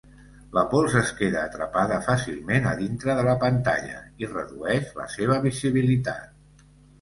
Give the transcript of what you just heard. La pols es queda atrapada fàcilment a dintre de la pantalla i redueix la seva visibilitat.